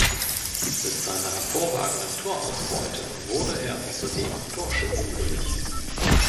Mit seiner hervorragenden Torausbeute wurde er außerdem Torschützenkönig.